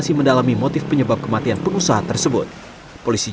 sedikitnya enam orang saksi telah diperiksa polisi